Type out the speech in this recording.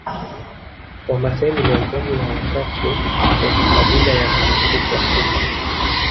Wamasai ni miongoni ya wachache wa makabila ya Monastiki Afrika